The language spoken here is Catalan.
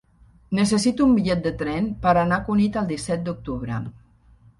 Necessito un bitllet de tren per anar a Cunit el disset d'octubre.